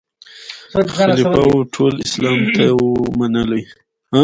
خلیفه وو ټول اسلام ته وو منلی